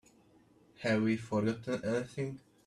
Have we forgotten anything?